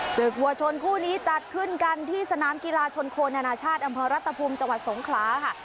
วัวชนคู่นี้จัดขึ้นกันที่สนามกีฬาชนโคนานานาชาติอำเภอรัตภูมิจังหวัดสงขลาค่ะ